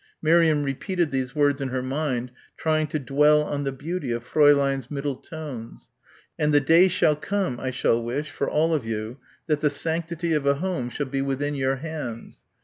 Miriam repeated these words in her mind trying to dwell on the beauty of Fräulein's middle tones. "And the day shall come, I shall wish, for all of you, that the sanctity of a home shall be within your hands.